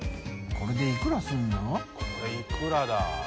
これいくらだ？青山）